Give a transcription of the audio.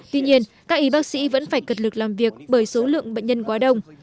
tuy nhiên các y bác sĩ vẫn phải cật lực làm việc bởi số lượng bệnh nhân quá đông